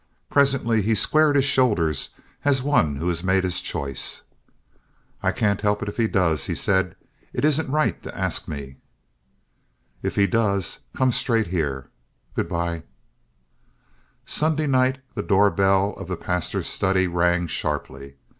Presently he squared his shoulders as one who has made his choice. "I can't help it if he does," he said; "it isn't right to ask me." "If he does, come straight here. Good by!" Sunday night the door bell of the pastor's study rang sharply.